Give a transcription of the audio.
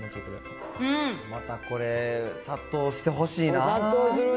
またこれ、殺到してほしいな。